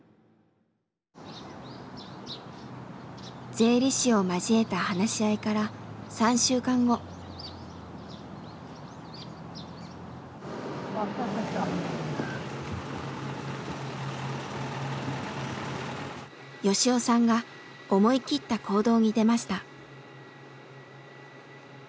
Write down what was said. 税理士を交えた話し合いから吉雄さんが思いきった行動に出ました。